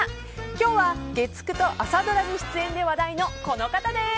今日は月９と朝ドラに出演で話題のこの方です。